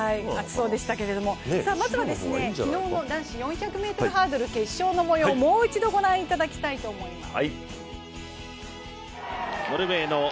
白の方がいいんじゃないかまずは、昨日の男子４００ｍハードルの決勝の模様をもう一度ご覧いただきたいと思います。